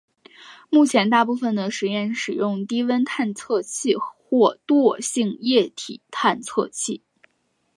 目前大部分的实验使用低温探测器或惰性液体探测器。